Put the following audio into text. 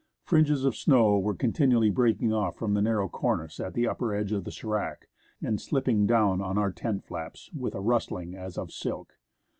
Fringes of snow were continually breaking off from the narrow cornice at the upper edge of the s(^rac, and slipping down on to our tent flaps with a rustling as of silk.